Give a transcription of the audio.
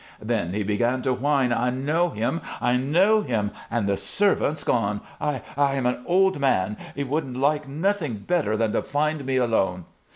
Then he began to whine: "I know him, I know him. And the servants gone! I I am an old man; he would like nothing better than to find me alone.